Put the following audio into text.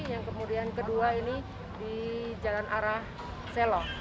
yang kemudian kedua ini di jalan arah selo